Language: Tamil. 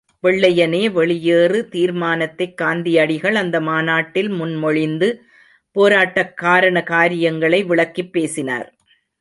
வெள்ளையனே வெளியேறு தீர்மானத்தைக் காந்தியடிகள் அந்த மாநாட்டில் முன் மொழிந்து போராட்டக் காரண காரியங்களை விளக்கிப் பேசினார்.